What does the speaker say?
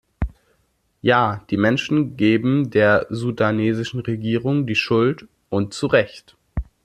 Ja, die Menschen geben der sudanesischen Regierung die Schuld, und zu Recht.